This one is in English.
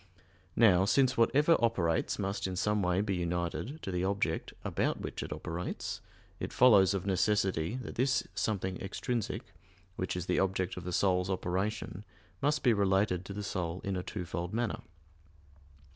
Now, since whatever operates must in some way be united to the object about which it operates, it follows of necessity that this something extrinsic, which is the object of the soul's operation, must be related to the soul in a twofold manner.